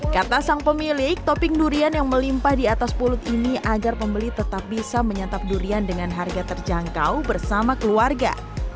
kata sang pemilik topping durian yang melimpah di atas pulut ini agar pembeli tetap bisa menyantap durian dengan harga terjangkau bersama keluarga